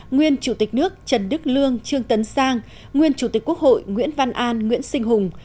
nguyên chủ tịch nước trần đức lương trương tấn sang nguyên chủ tịch quốc hội nguyễn văn an nguyễn sinh hùng